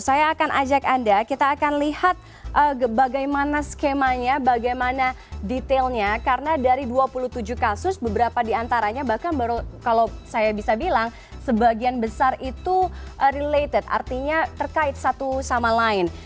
saya akan ajak anda kita akan lihat bagaimana skemanya bagaimana detailnya karena dari dua puluh tujuh kasus beberapa diantaranya bahkan baru kalau saya bisa bilang sebagian besar itu related artinya terkait satu sama lain